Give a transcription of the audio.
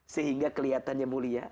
sehingga kelihatannya mulia